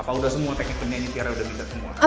apa udah semua teknik bernyanyi tiara udah minta semua